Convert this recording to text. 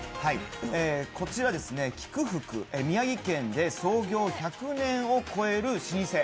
こちら、喜久福、宮城県で創業１００年を超える老舗。